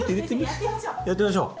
・やってみましょう！